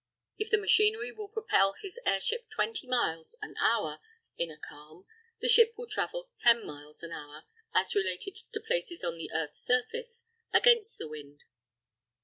If the machinery will propel his airship 20 miles an hour in a calm, the ship will travel 10 miles an hour as related to places on the earth's surface against the wind.